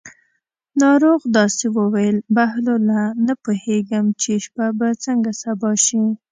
ناروغ داسې وویل: بهلوله نه پوهېږم چې شپه به څنګه سبا شي.